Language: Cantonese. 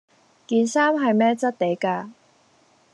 件衫係咩質地架